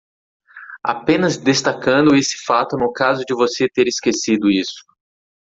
Apenas destacando esse fato no caso de você ter esquecido isso.